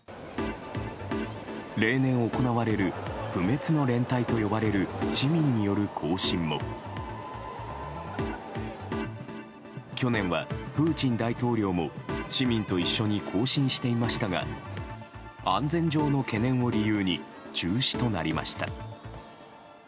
例年行われる、不滅の連隊と呼ばれる市民による行進も去年は、プーチン大統領も市民と一緒に行進していましたが安全上の懸念を理由に中止となりました。